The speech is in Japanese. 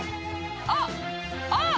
あっあっ！